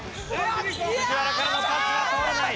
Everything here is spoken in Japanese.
藤原からのパスは通らない。